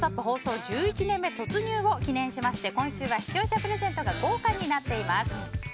放送１１年目突入を記念しまして今週は視聴者プレゼントが豪華になっています。